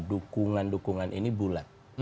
dukungan dukungan ini bulat